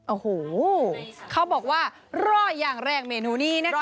โอ้โหเขาบอกว่าร่ออย่างแรงเมนูนี้นะคะ